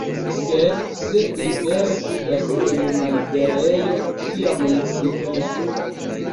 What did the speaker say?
Sed se li vere sidas en malliberejo, tiam ni pripensu.